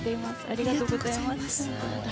ありがとうございます。